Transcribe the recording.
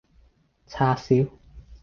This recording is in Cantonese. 叉燒